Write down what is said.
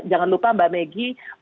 jangan lupa mbak meggy